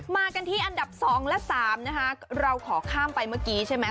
มากันที่อันดับ๒และ๓นะคะเราขอข้ามไปเมื่อกี้ใช่ไหม